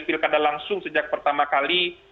pilkada langsung sejak pertama kali